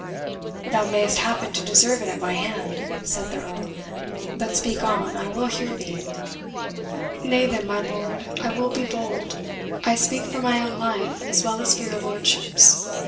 "Thou mayest happen to deserve it at my hand," said the Earl; "but speak on, I will hear thee." "Nay, then, my lord, I will be bold. I speak for my own life as well as for your lordship's.